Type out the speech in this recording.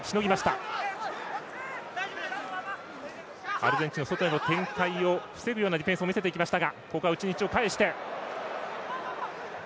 アルゼンチンの外への展開を防ぐようなディフェンスを見せました。